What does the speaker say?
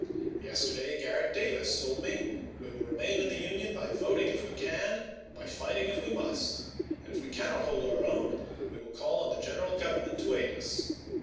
Yesterday Garrett Davis told me :'' We will remain in the Union by voting if we can, by fighting if we must, and if we cannot hold our own, we will call on the General Government to aid us."